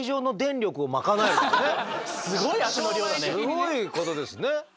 すごいことですね。